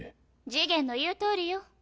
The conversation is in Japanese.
次元の言う通りよ。